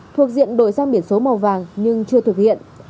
thuộc diện đổi ra biển số màu vàng nhưng chưa thực hiện